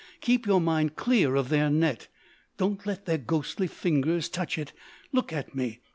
Keep your mind clear of their net! Don't let their ghostly fingers touch it. Look at me!"